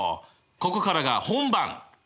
ここからが本番！